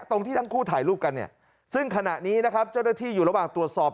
ที่ทั้งคู่ถ่ายรูปกันเนี่ยซึ่งขณะนี้นะครับเจ้าหน้าที่อยู่ระหว่างตรวจสอบ